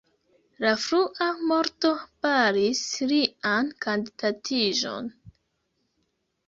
La frua morto baris lian kandidatiĝon.